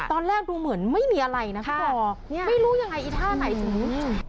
ตอนแรกดูเหมือนไม่มีอะไรนะพี่บอกไม่รู้ยังไงไอ้ท่าไหน